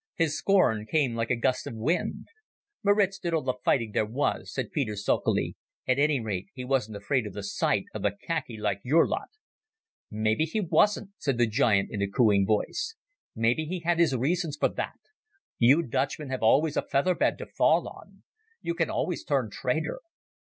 His scorn came like a gust of wind. "Maritz did all the fighting there was," said Peter sulkily. "At any rate he wasn't afraid of the sight of the khaki like your lot." "Maybe he wasn't," said the giant in a cooing voice; "maybe he had his reasons for that. You Dutchmen have always a feather bed to fall on. You can always turn traitor.